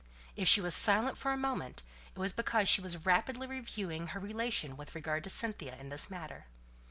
If she was silent for a moment, it was because she was rapidly reviewing her relation with regard to Cynthia in the matter.